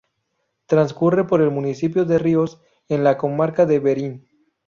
Transcurre por el municipio de Riós, en la comarca de Verín.